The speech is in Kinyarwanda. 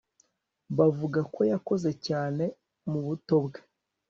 Bavuga ko yakoze cyane mubuto bwe